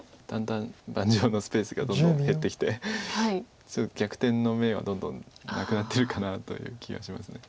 だんだん盤上のスペースがどんどん減ってきて逆転の芽はどんどんなくなってるかなという気がします。